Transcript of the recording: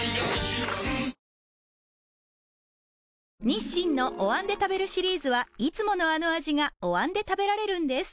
日清のお椀で食べるシリーズはいつものあの味がお椀で食べられるんです